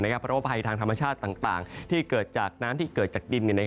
เพราะว่าภัยทางธรรมชาติต่างที่เกิดจากน้ำที่เกิดจากดิน